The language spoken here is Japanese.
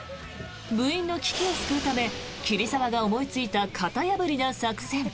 部員の危機を救うため桐沢が思いついた型破りな作戦。